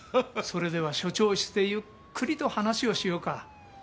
それでは署長室でゆっくりと話をしようか。